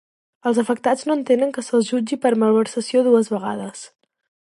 Els afectats no entenen que se'ls jutgi per malversació dues vegades.